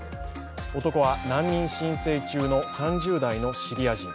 男は難民申請中の３０代のシリア人。